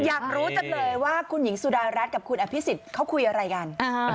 อยากรู้จังเลยว่าคุณหญิงสุดารัฐกับคุณอภิษฎเขาคุยอะไรกัน